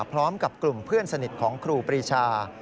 พร้อมกับกลุ่มเพื่อนสนิทของครูปรีชา